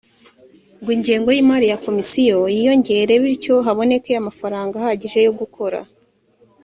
ngo ingengo y imari ya komisiyo yiyongere bityo haboneke amafaranga ahagije yo gukora